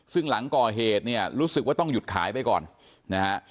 ซึ่งหลังก่อเหตุเนี่ยรู้สึกว่าต้องหยุดขายไปก่อนนะฮะ